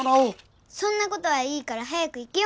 そんなことはいいから早く行くよ！